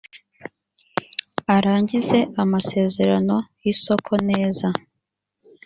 arangize amasezerano y isoko neza